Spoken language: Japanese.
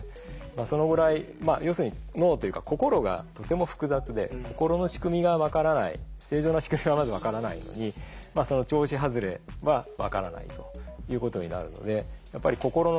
そのぐらい要するに脳というか心がとても複雑で心の仕組みが分からない正常な仕組みがまず分からないのにその調子外れは分からないということになるのでやっぱり心の研究